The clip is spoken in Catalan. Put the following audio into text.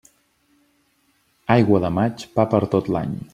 Aigua de maig, pa per tot l'any.